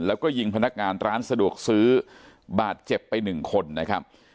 แล้วก็ยิงพนักงานร้านสะดวกซื้อบาดเจ็บไปหนึ่งคนนะครับ